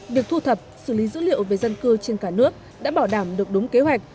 việc thu thập xử lý dữ liệu về dân cư trên cả nước đã bảo đảm được đúng kế hoạch